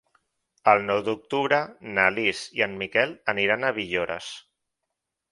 El nou d'octubre na Lis i en Miquel aniran a Villores.